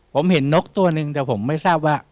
ผมเห็นนกตัวหนึ่งแต่ผมไม่ทราบว่า